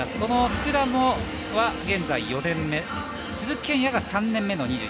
福田も現在４年目鈴木健矢は３年目。